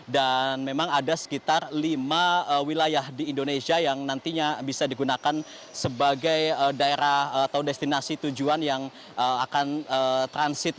dan memang ada sekitar lima wilayah di indonesia yang nantinya bisa digunakan sebagai daerah atau destinasi tujuan yang akan transit